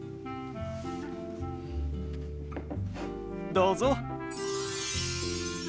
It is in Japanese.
どうぞ。